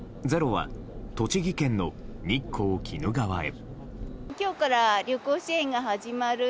「ｚｅｒｏ」は栃木県の日光・鬼怒川へ。